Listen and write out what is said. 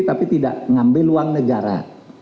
tapi tidak mengambil uang negara